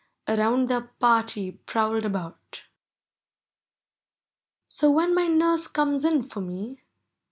Around their party prowled about. So, when my nurse comes in for me.